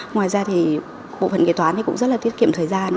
ngoài ra thì bộ phận kế toán thì cũng rất là tiết kiệm thời gian